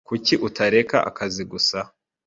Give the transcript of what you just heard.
Kuki utareka akazi gusa?